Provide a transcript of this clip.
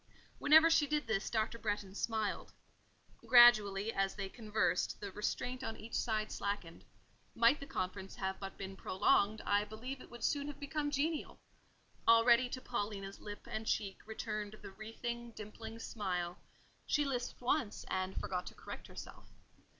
Whenever she did this, Dr. Bretton smiled. Gradually, as they conversed, the restraint on each side slackened: might the conference have but been prolonged, I believe it would soon have become genial: already to Paulina's lip and cheek returned the wreathing, dimpling smile; she lisped once, and forgot to correct herself.